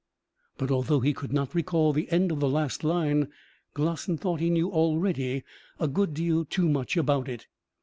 but, although he could not recall the end of the last line, Glossin thought he knew already a good deal too much about it.